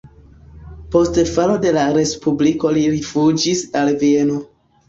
Post falo de la respubliko li rifuĝis al Vieno.